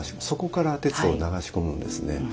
底から鉄を流し込むんですね。